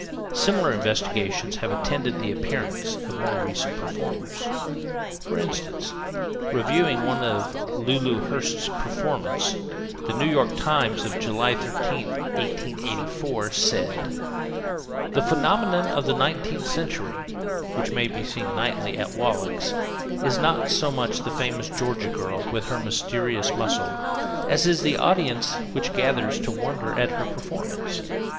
Similar investigations have attended the appearance of more recent performers. For instance, reviewing one of Lulu Hurst's performances, the New York Times, of July 13th, 1884, said: The "Phenomenon of the Nineteenth Century," which may be seen nightly at Wallack's, is not so much the famous Georgia girl, with her mysterious muscle, as is the audience which gathers to wonder at her performance.